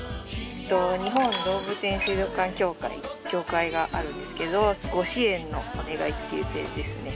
日本動物園水族館協会って協会があるんですけどご支援のお願いっていうページですね